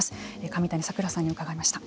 上谷さくらさんに伺いました。